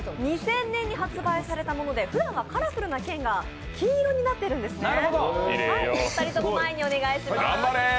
２０００年に発売されたもので普通、カラフルな剣が金色になってるんですね。